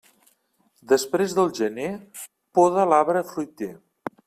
Després del gener, poda l'arbre fruiter.